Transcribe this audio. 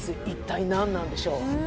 一体何なんでしょう？